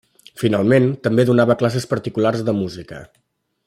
Finalment, també donava classes particulars de música.